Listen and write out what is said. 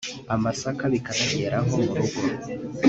amasaka bikatugeraho mu rugo